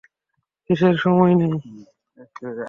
কিসের সময় নেই?